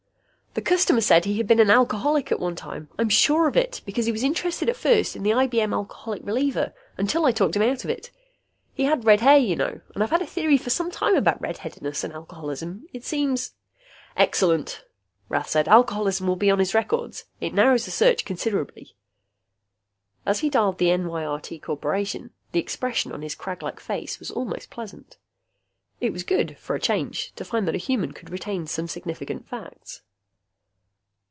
"The customer said he had been an alcoholic at one time. I'm sure of it, because he was interested at first in the IBM Alcoholic Reliever, until I talked him out of it. He had red hair, you know, and I've had a theory for some time about red headedness and alcoholism. It seems " "Excellent," Rath said. "Alcoholism will be on his records. It narrows the search considerably." As he dialed the NYRT Corporation, the expression on his craglike face was almost pleasant. It was good, for a change, to find that a human could retain some significant facts.